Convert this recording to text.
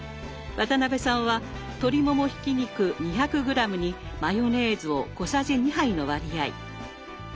渡辺さんは鶏ももひき肉２００ｇにマヨネーズを小さじ２杯の割合。